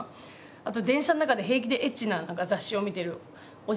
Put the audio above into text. あと電車の中で平気でエッチななんか雑誌を見てるおじさんとか。